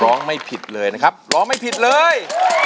ไม่ผิดเลยนะครับร้องไม่ผิดเลย